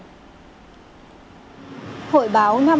hội báo năm hai nghìn hai mươi ba